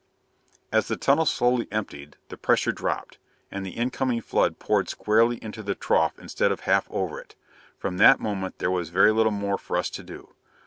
As the tunnel slowly emptied the pressure dropped, and the incoming flood poured squarely into the trough instead of half over it. From that moment there was very little more for us to do.